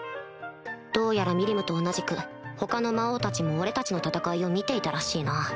どうやらミリムと同じく他の魔王たちも俺たちの戦いを見ていたらしいな